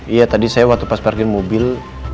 iya tadi saya waktu pas parkir mobil